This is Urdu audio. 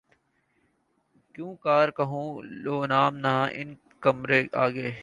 کیوں کر کہوں لو نام نہ ان کا مرے آگے